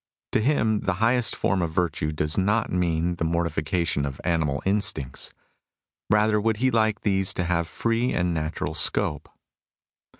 To him the highest form of virtue does not mean the mort&cation of animal instincts. Bather would he like these to have free and natural scope.